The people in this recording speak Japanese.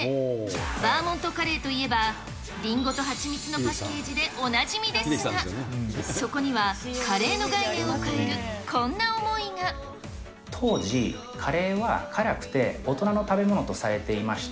バーモントカレーといえば、リンゴとハチミツのパッケージでおなじみですが、そこにはカレー当時、カレーは辛くて大人の食べ物とされていました。